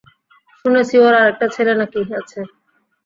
শুনেছি ওর আরেকটা ছেলে না-কি আছে।